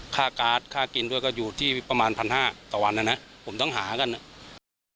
การ์ดค่ากินด้วยก็อยู่ที่ประมาณพันห้าต่อวันนะนะผมต้องหากันอ่ะ